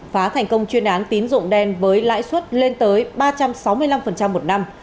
phá thành công chuyên án tín dụng đen với lãi suất lên tới ba trăm sáu mươi năm một năm